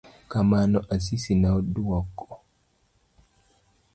Kamano, Asisi ne oduoko